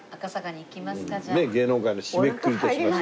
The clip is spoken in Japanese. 芸能界の締めくくりとしまして。